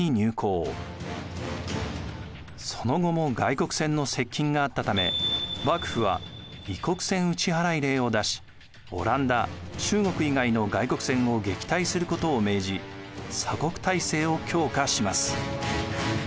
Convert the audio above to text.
その後も外国船の接近があったため幕府は異国船打払令を出しオランダ中国以外の外国船を撃退することを命じ鎖国体制を強化します。